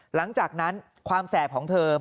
หลังจากนั้นความแสบของเธอ